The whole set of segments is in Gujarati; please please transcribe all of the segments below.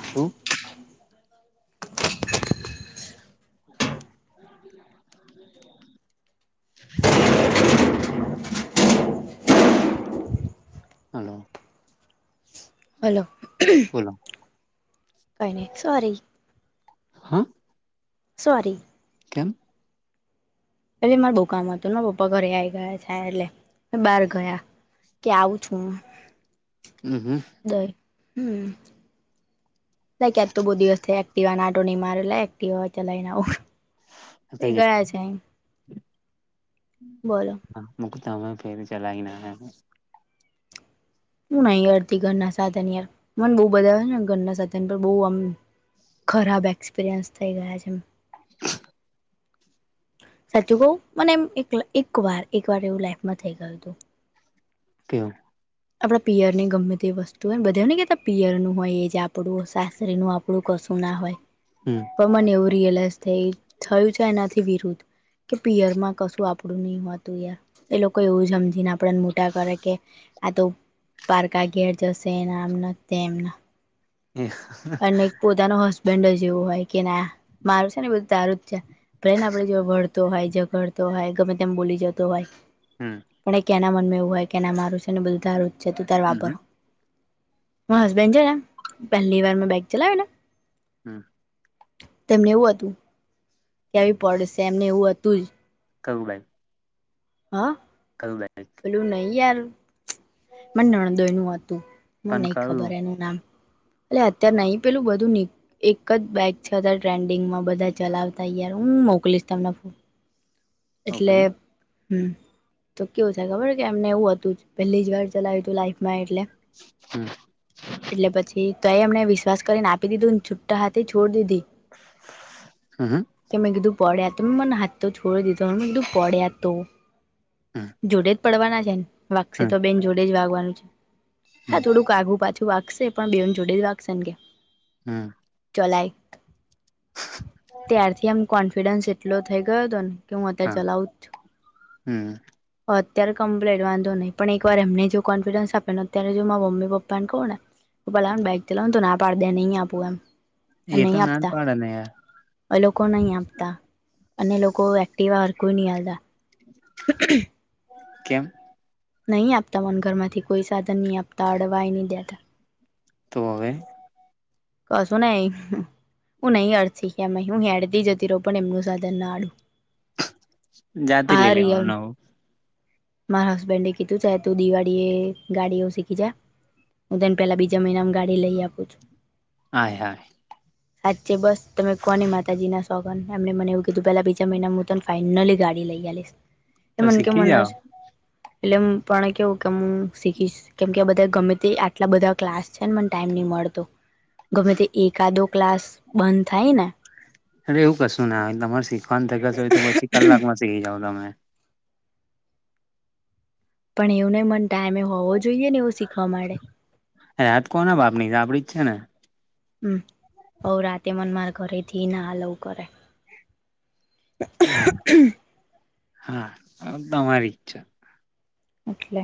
શું? હલો. હલો બોલો કોન સોરી હા સોરી કેમ પેલી માર દુકનમાં હતું પપ્પા ઘરે આવી ગયા છે એટલે બાર ગયા કે આવું છું હું હમ હમ દઈ હમ ના ક્યાં તો બહુ દિવસ થાય એક્ટિવ નાટો નહીં મારેલા એક્ટિવ હો ચલાયને આવું એ ગયા છે બોલો [inaudible] મુક તમે ફેર ચલાવીના હ શું ના યારથી ઘરના સાધન યાર મને બહુ બધા આવે ને ઘરના સાધન બહુ આમ ખરાબ એક્સપિરિયન્સ થઈ ગયા છે એમ સાચું કહું મને એમ એક એક વાર એક વાર એવું લાઈફમાં થઈ ગયું હતું. કેમ આપણા પિયર ની ગમે તે વસ્તુ હોય બધાને કતા પિયરું હો એ જ આપડું સાસરી નું આપું એવું કશું ના હોય હમ પણ મને એવું રિયલાઈઝ થયું થાય છે એનાથી વિરુદ્ધ કે પિયર માં કશું આપણું નહી હોતું યાર એ લોકો એવું સમજીને આપણને મોટા કરે કે આ તો પારકા ઘેર જશે એન આમને તેમ [inaudible] અને પોતાનો હસબન્ડ જ એવું હોય કે ના મારું છે ને બધું તારું જ છે. ભલે આપડે જો વળતો હોય ઝઘડતો હોય ગમે તેમ બોલી જતો હોય હમ પણ એ કેનાં મનમાં એવું હોય કેના મારું છે ને બધું તારું જ છે તું તાર વાપર હમ હસબેન્ડ છે ને પહેલી વાર મેં બાઈક ચલાવી ને હમ તેમને એવું હતું આવી પડશે એમને એવું હતું જ. કવું લ હા ખલ્ બે લું નહી યાર. મને નણદોયનું હતું મને પણ નહી ખબર કયું એનું નામ. એલે અત્યાર નહીં પેલું બધું ન એક જ બાક છતા ટ્રેન્ડિંગમાં બધા ચલાવતા યાર હું મોકલીશ તમને ફોન એટલે ઓકે હમ તો કેવું થાય ખબર કે એમને એવું હતું પહેલી જ વાર ચલાવ્યું તું લાઈફમાં એટલે હમ. એટલે પછી તો એ એમને વિશ્વાસ કરીને આપી દીધુંને છુટ્ટા હાથે છોડ દીધી. હમ હ કે મેં કીધું પડ્યા તો મેં મને હાથ તો છોડી દીધો મે કીધું પડ્યા તો હમ જોડે જ પડવાના છે ને વાકસે હમ તો બેન જોડે જ વાગવાનું છે. હા થોડુંક આગું પાછું વાગશે પણ બેન જોડે જ વાગશે ને કે. હમ. ચલાયક ત્યારથી આમ કોન્ફિડન્સ એટલો થઈ ગયો હતો ને હા ચલાઉ હમ હ અત્યારે કમ્પ્લેટ વાંધો નહીં પણ એક વાર એમને જો કોન્ફિડન્સ આપે ને અત્યારે જો મા મમ્મી પપ્પા ને કોણ ભલા બા બેક ચલા ત ના પાડ દે નહી આપું એમ એ તો નહી ના જ પાડે ને યાર આપતા લોકો નહી આપતા અને લોકો વાર કોઈ ન હા કેમ નહી આપતા મન ઘર માંથી કોઈ સાધન નહી આપતા અડવાઈ નહી દેતા તોવે કસું નઈ. હું નહી અડથ હું હેડથી જતી રહ પણ એમનું સાધન ના આડું જાતી લઈ લેવાનું નવું. માર હસબન્ડ એ કીધું ચા તું દિવાળી એ ગાડી એું શીખી જા. હું તેને પહેલા બીજાનામાં ગાડી લઈ આપું છું. હાય હાય. સાચે બસ તમે કોની માતાજી ના સોગન એમને મને એવું કીધું પેલા બીજા મહિના હું ત ફઇનલી ગાડી લઈલીશ એ તો મને કે શીખી મનેજ જાઓ એટલે પણ કેવું કે હું શીખીશ કેમ કે બધા ગમે તે આટલા બધા ક્લાસ છે ને મને ટાઈમ નહીં મળતો. ગુમે તે એક આધો ક્લાસ બંધ થાય ને અરે એવું કશું ને તમારે શીખવા થગસ હોય તો પછી કલાકમાં સીખી જાવ તમે. પણ એવું નને મન ટાાઈમે હોવો જોઈએ ને એવું શીખવા માટે. એયાત કોને બાપની આપડી જ છે ને. હમ રાતે મન માર ઘરેથી ના આલવું કરે. હ હા તમારી ઈચ્છા. એટલે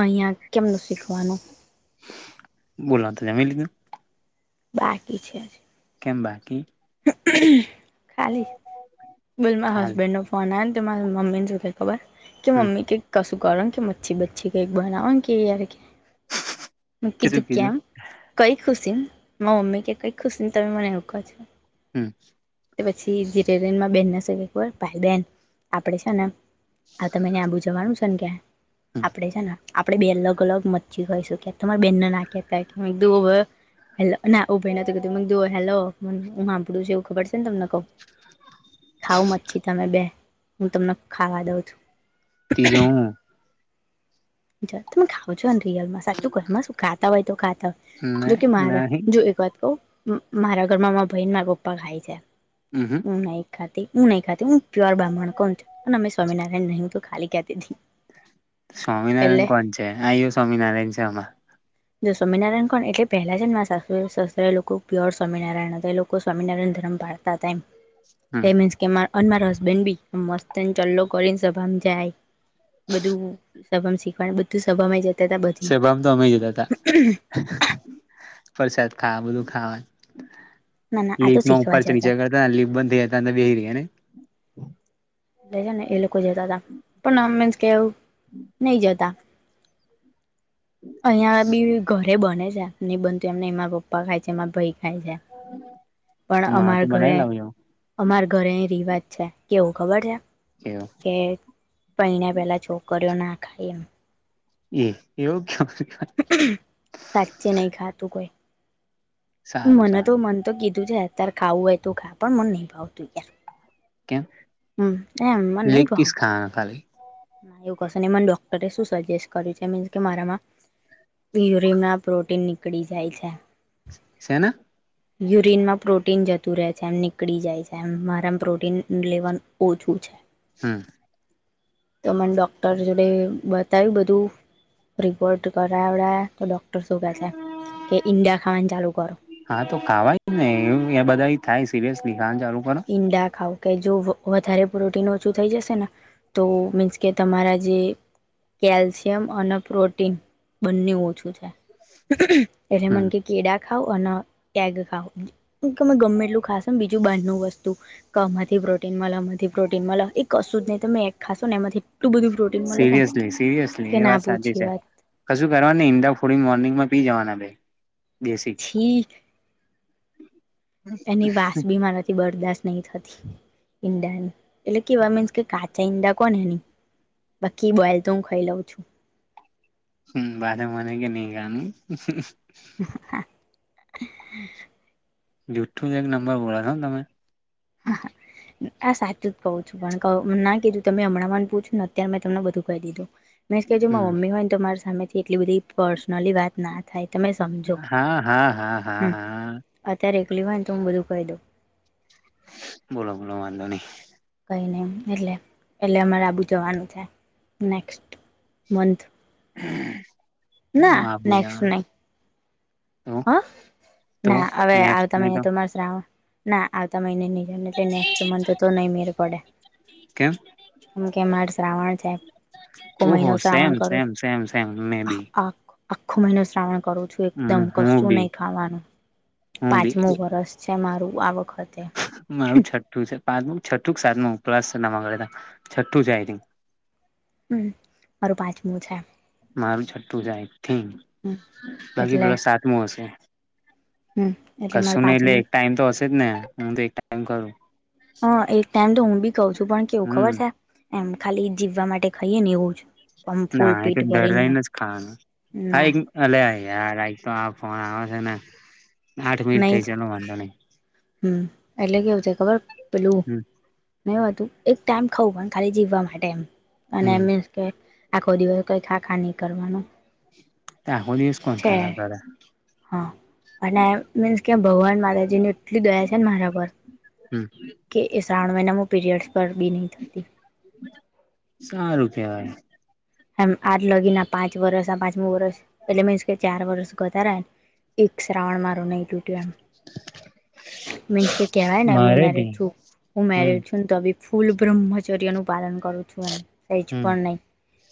અહિયાં કેમનું શીખવાનું. બોલા તો જમી લીધું. બાકી છે. કેમ બાકી. ખાલી બોલમાં ખાલી હસબેન્ડ નો ફ મારા મમ્મીને સુધ ખબર કે હમ મમ્મી કે ક કરો કે મચ્છી બચ્છી કઈક બનાવ કે યાર કે મ તે શું કીધું કેમ. કઈ ખુશી, ને મા મમ્મી કે કઈક ખુશ ને તમે મને એવું ક છો. હમ. પછી જન બેન ના શ ભાઈ બેન આપડે છે ને આ તમે આઘું આ બુ જવાનું છે ને ક્યાં હમ આપડે છે ને આપણે બે અલગ અલગ મચ્છી ખઈશું ક્યાં તમારે બેનને નાખહેતા કે એક દ હે ના ઉભય ના તો કધું મ જો હેલો હું સાંભળું છ એવું ખબર છે ને તમને. ખાવ મછી તમે બે, હું તમને ખાવા દઉં છું. તી જવુ. તમે ખાવ છો ને રિયલમાં સાચું ઘરમાં શું ખાતા હોય તો ખાતા હોય. જોકે મારા નહી જો એક વાત કઉ મારા ઘરમાં મા બહેન મારા પપ્પા ખાય છે. હમ હમ. ખા હું નહી ખાતી હું પ્યોર બ્રહ્મણ કોણ અને અમે સ્વામિનારાયણ ન તો ખાલી કેતીતી. સ્વામિનારાયણ કોણ છે આયો સ્વામિનારાયણ છે આમાં. જો સ્વામિનારાયણ કોણ એટલે પહેલા જુ શસ્ત્ર એ લોકો પ્યોર સ્વામિનારાયણ હતા એ લોકો સ્વામિનારાયણ ધર્મ પાળ હતા. ટતા એમ, હમ પેમેન્ટસ કે અને મારા હસબેન્ડ બી મસ્તને ચલો કરીને સભામાં જાય. બધું સભમ શીખવાનું બધું સભમ જ સેબમ તો અમે જતા હતા. પ્રસાદ ખા બધું ખાવા. ના ના આ તો લી પ શીખવા જતા પરચની હતા છેે લ બંધેતા બેરી એને [unintelligible] છે ને એ લોકો જતા હતા, પણ મીન્સ કે એવું નહી જતા. અહિયાં બી ઘરે બને છે નહી બનતું એમને એમાં પપ્પા ખાય છે એમાં ભાઈ. થાય છે, તો પણ મારા અમાર તું બનાવી ઘરે લાવ એવો અમાર ઘરે એ રિવાજ છે કેવું ખબર છે? કેવું? કે પિને પહેલાં છોકરીઓ ના ખાય એમ. એ યોગ્ય સાચે નહી ખાતું કોઈ. સારું મને તો સારું મન તો કીધું છે અત્યારે ખાવું હોય તું ખા પણ મને નહી ભાવતું યાર. કેમ? હમ એમ મને લેગ નહી પીસ ભાવતું ખાના ખાલી? એવું કશે ને મને ડોક્ટરે શું સજેસ્ટ કર્યું છે મીન્સ કે મારામાં યુરિનમાં પ્રોટીન નીકળી જાય છે. સેના? [inaudible] યુરિનમાં પ્રોટીન જતું રહે છે એમ નીકળી જાય છે એમ મારેમ પ્રોટીન લેવાનું ઓછું છે. હા. તો મને ડોક્ટર જોડે બતાવ્યું બધું રિપોર્ટ કરાવડ્યા તો ડોક શ કે કે ઈન્ડિયા ખાવાને ચાલુ કરો. હા તો ખાવાય ને એ બધા થાય સિરયસલી ખાવાનું ચાલૂ કરો. ઈંડા ખાવ કે જો વધારે પ્રોટીન ઓછું થઈ જશે ને. તો મીન્સ કે તમારા જે કેલ્શિયમ અને પ્રોટીન બંને ઓછું છે, એટલે હમ મને ક કેડા ખાવ અને એગ ખાવ, તમે ગમે એટલું ખા બીજું બાર વસ્તુ. આમાંથી પ્રોટીન આમાંથી પ્રોટીન એ કશું જ નહી તમે ખાશો ને એમાંથી એટલું બધું પ્રોટીન મળે છે ને સિરિયસલી સિરિયસલી કે એ ના વાત સાચી પૂછી છે. વાત કશું કરવા ન નય ઈંડા ફોડી મોર્નિંગમાં પી જવાના ભાઈ. છી. એની વાસ બી મારાથી બરદાશત નહી, થતી ઈંડાની એટલે કેવા મીન્સ કે કાચા. ચંદા કોનેની બાકી બોઈલ તો હું ખાઈ લઉં છું. હમ બારે મને કે નહી ગનું. હા. જુઠુ એક નંબર બોલા છો હો તમે. હા હા. હા સાચું જ કહું છું પણ ના કીધું તમે હમણાં ને પૂછું ને અત્યારે મેં તમને બધું કહી દીધું. મે એજ કેતી કે જો મા હમ મમ્મી હોય ને તો મારી સામેથી એટલી બધી પર્સનલી વાત ના થાય તમે સમજો હા હા હા હા હમ્મ હા અત્યારે એકલી હોય ને તો હું બધું કહી દઉં. બોલો બોલો વાંધો નઈ. કંઈ નહીં એટલે એટલે અમારે આબુ જવાનું છે નેક્સ્ટ મંથ. ના આબુ જાવાનુ. હા તો ના હવે નેક્સ્ટ આવતા નહી મહિને તો માર શ્રાવણ ના આવતા મહિને ની જવાય. એટલે નેક્સ્ટ મંથ તો નઈ મેડ પડે. કેમ કેમ કે મારે શ્રાવણ છે. આખો મહિનો શ્રાવણ કરું. તેમ મે બી. આખો મહિનો શ્રાવણ કરું છું એકદમ હું કશું બી નહી ખાવાનું હું બી પાંચમું. વર્ષ છે મારું આ વખત. મારું છઠ્ઠું છે. પાંચમું, છઠ્ઠું, સાતમુ ઉપવાસ કરે છઠ્ઠું છે આઇથીંગ. હમ્મ મારું પાંચમું છે. મારું છઠ્ઠું જાય આઇથિંક હમ તારા થી એટલે પેલો સાતમું હશે. હમ મારે કશું ને એટલે પાંચમું એક ટાઈમ તો હશે જ ને હું તો એક ટાઈમ કરું. હ એક ટાઈમ તો હું બી ખઉં છું પણ કેવું ખબર હમ છે એમ ખાલી જીવવા માટે ખઈએે ને એવુંજ. ના એ તો ધરાયને જ ખાવાનું હા ના એક અલે યાર આઈ તો આ ફોન આવે છે ને આઠ મિનિટ નહી થઇ જ. ચાલો વાંધો નહી. હમ એટલે કેવું છે ખબર પેલુ હમ મેં એવુ હતું એક ટાઈમ ખાઉં પણ ખાલી જીવવા માટે અને હમ મીન્સ આખો દિવસ કઈ ખાખા નહી કરવાનુ. આખો દિવસ કોણ ખા ખા કરે. હા અને મીન્સ કે ભગવાન માતાજી ને એટલી દયા છે ને મારા પર. હમ્મ. કે એ શ્રાવણ મહિનામાં પીરિયડ્સ પર બી નહીં થતી. સારું કહેવાય. એમ આજ લગીને પાંચ વરસ પાંચમું વરસ એટલે મીન્સ કે ચાર વર્ષ કરતા રહ્યા. એક શ્રાવણ મારો નહી ટૂટયો. તૂટ્યું એમ. મીન્સ કે કેવાયને હું મારે મેરિડ ભી છું હું હમ મેરિડ છું. તો બી ફૂલ બ્રહ્મચર્ય નું પાલન કરું છું એમ કંઈ જ પણ હમ નહીં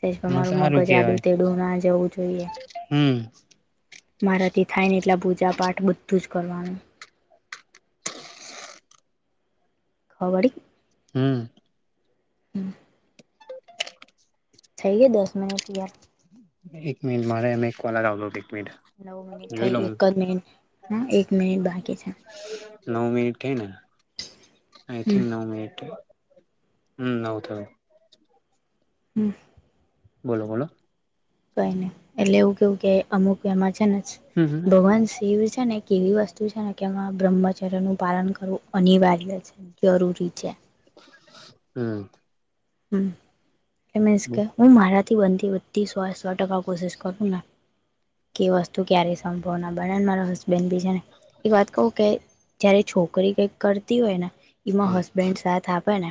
તેજ તો મારું સારું મગજ કેવાય આડું તેડું ના જવું જોઈએ. હમ મારાથી થાય ને એટલા પૂજા પાઠ બધું જ કરવાનું. [inaudible] હો વળી. હમ્મ. હમ્મ. થઈ ગઈ દસ મિનીટ યાર. એક મિનિટ મારે એમે એક કોલ આવેલો એક મિનટ. નવ મિનિટ થઈ એક જ મિનિટ હા એક મિનિટ બાકી છે નવ મિનિટ થઈ ને? હમ આઈથીંક નવ મિનિટ થયું નવ થયું. હમ્મ. બોલો બોલો. કઈ નહી એટલે એવું કેવું કે અમુક એમાં છે જ હમ હમ ભગવાન જ. તએવી છે ને એક એવી વસ્તુ છે ને કે એમાં બ્રહ્મચર્યનું પાલન કરવું અનિવાર્ય છે. જરૂરી છે. હમ હમ એમ હમ કે હું મારા થી બનતી બધી સો સો ટકા કોશિશ કરું ને કે વસ્તુ ક્યારે સંભર્ણ બને મારો હસબન્ બેનબીજાને એક વાત કહું કે જય્યારે છોકરી કંઈક કરતી હોય ને એમાં હશ. બ્રેન્ડ સાથ આપે ને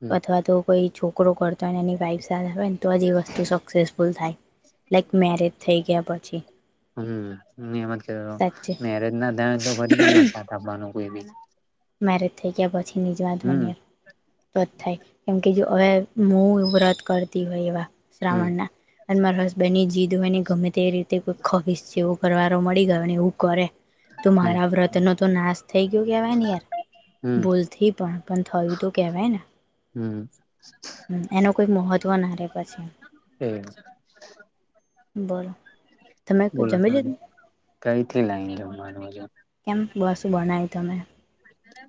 હમ અથવા તો. કોઈ છોકરો કરતો હોયને એની વાઈફ સાથે આવે ને તો જ એ વસ્તુ સક્સેસફુલ થાય લાઈક મેરેજ થઈ ગયા પછી. હમ એમ જ કધ સાચે મેરેજ ના થાય તો ફરી ગમ સાથ આપવાનો કોઈ બી મારેજ થઈ ગયા પછી નિ જ હમ વાંધવાની તો જ થાય કેમ કે જો હવે. હું વ્રત કરતી હોય એવા હમ શ્રાવણ ના અને મારા હસબન્ડ ની જીદ હોય ને ગમે તે રીતે કો ખવીશ જેવો કરવારો મળી ગયોને એવું કરે. તું હમ મારા વ્રત નો તો નાશ થઈ ગયો કેવાય ને યાર. હમ ભૂલથી પણ પણ થયુ તો કહેવાય ને હમ હમ એનું કોઈ મહત્વ ના રે પછી. એ બોલો તમે બોલો ત જમી લીધું કઈ થી લાઈન જ મારું હજુ કેમ બસું બનાવી તમે.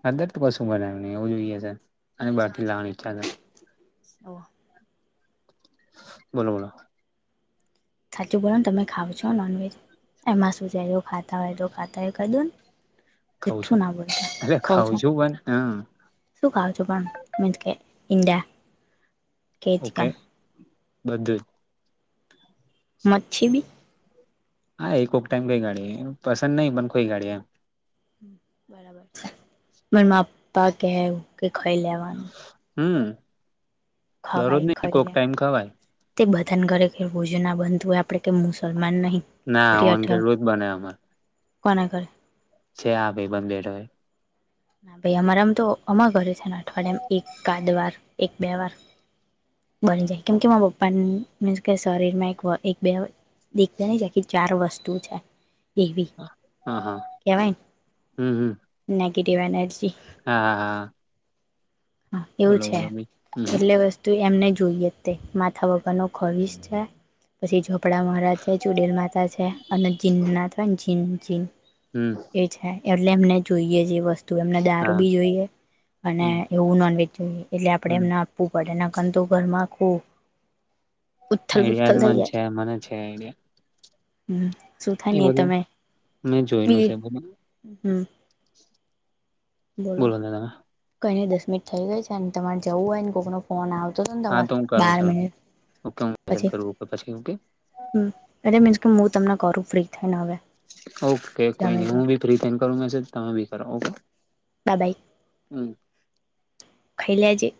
હા દર કશું બનાવીને એવું જોઈએ છે અને બ થી લાવવાની ચાલે. ઓ બોલો બોલો સાચું બોલો ને તમે ખાવ છો નોનવેજ એમાં શુંચાયો. ખાતા હોય તો ખાતા હોય કહી દો ને ખઉં જુઠું છું ના બોલતા અરે કઉ ખાઉં છું. પણ હા શું ખાવોશો પણ મેતાતે ઇદા ઓકે બધું જ મછી બી હા એકક ટાઈઇમ કઈ ગાડી પસંદ નહીં પણ કોઈ ગાડી એમ બરાબર છે મને માપા કેવું કે ખાઈ લેવાનું.. હમ દરરોજ ખવાય નઈ ખાઈ કોક લેવા ટાઈમ ખવાય તે બધન કરે કે રોજ ના બનતું હોય આપણે કે મુસલમાન નહી. ના ઓન કેટલું જ બને અમારે કોણા ધરે છે હ ભાઈ બંધ બેઠોય ના ભાઈ અમારામ તો અમા ઘરે છે ને અઠવાડિયામાં એક આાદ વાર એક બે વાર બની જાય કેમ કે મા પપ્પા મસ કે શરીરમાં એક બે દેખવા નહી છે ચાર વસ્તુ છે એવી હા હા હમ હમ ગિરી બેનર્જી હા હા હા એવું બોલો છે બોલો ભાઈ હમ એટલે વસ્તુ એમને જોઈએ તે માથા વગરનો ખરીશ છે. પછી ઝોપડા મહારાજ છે ચુડેલ માતા છે અને જીન નાથવાય જીન જીન હમ એ છે એટલે એમને જોઈએ જે એ વસ્તુ એમને દારૂ હા બી જોઈએ અને. હમ એવું નોનવેજ એટલે આપણે હમ એમને આપવું પડે ના કાર તો ઘરમાં આખું. આઈડિયા મન છે મને છે આઈડિયા હ શું થાય એ ને બધું તમે મેં બ જોયેલું છે બધું હમ બોલો ને તમે કઈને દસ મિનિટ થઇ ગઈ છે અને તમારે જવું હોય ને કોકનું ફોન આવતો હતો ને હા તમારે તો હું કરું બ્યાર ચાલ મિનિટ ઓકે હું મેસેજ પછી કરું ઓકે પછી ઓકે એલે મીન્સ કે હું તમને ઘું ફ્રી થઈને હવે. ઓકે કોઈ જમી નહી હું બી ફ્રી થ કરું મેસેજ તમે બી કરો ઓકે. બાબાઈ હમ ખાઈલેજે